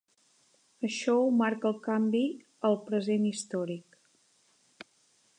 Això ho marca el canvi al present històric.